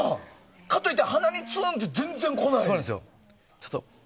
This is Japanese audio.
かといって鼻にツーンって全然来ない。